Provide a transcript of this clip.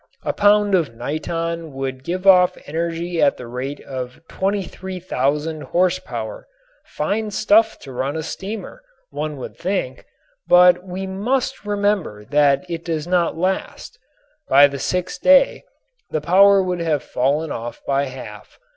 A pound of niton would give off energy at the rate of 23,000 horsepower; fine stuff to run a steamer, one would think, but we must remember that it does not last. By the sixth day the power would have fallen off by half.